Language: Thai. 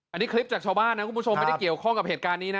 อันนี้คลิปจากชาวบ้านนะคุณผู้ชมไม่ได้เกี่ยวข้องกับเหตุการณ์นี้นะ